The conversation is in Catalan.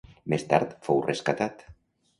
Més tard fou rescatat.